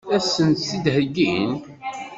Ad sen-tt-id-heggin?